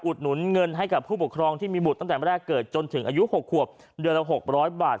หนุนเงินให้กับผู้ปกครองที่มีบุตรตั้งแต่แรกเกิดจนถึงอายุ๖ขวบเดือนละ๖๐๐บาท